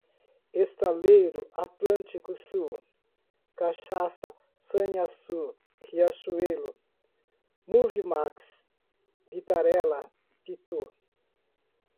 Estaleiro Atlântico Sul, Cachaça Sanhaçu, Riachuelo, Moviemax, Vitarella, Pitú